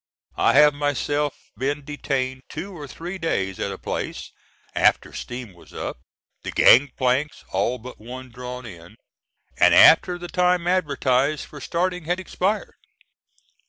I have myself been detained two or three days at a place after steam was up, the gang planks, all but one, drawn in, and after the time advertised for starting had expired.